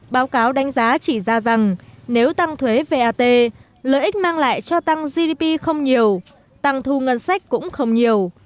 báo cáo đánh giá chỉ ra rằng nếu tăng thuế vat lợi ích mang lại cho tăng gdp không nhiều tăng thu ngân sách cũng không nhiều